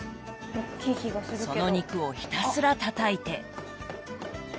その肉をひたすらたたいて。